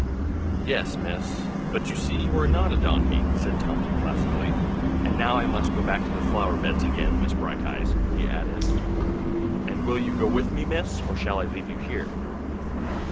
"Yes, Miss! but you see you are not a donkey," said Tomty placidly. "And now I must go back to the flower beds again, Miss Brighteyes," he added. "And will you go with me, Miss, or shall I leave you here?"